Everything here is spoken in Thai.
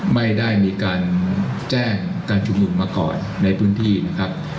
ไม่ได้มีการแจ้งการชุมนุมมาก่อนในพื้นที่นะครับ